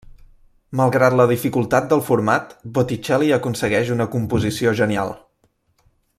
Malgrat la dificultat del format, Botticelli aconsegueix una composició genial.